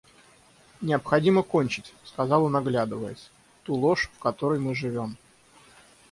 Необходимо кончить, — сказал он оглядываясь, — ту ложь, в которой мы живем.